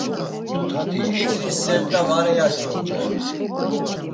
İris sevda var eyaç̌open.